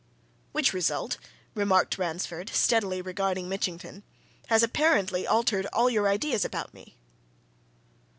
"Which result," remarked Ransford, steadily regarding Mitchington, "has apparently altered all your ideas about me!"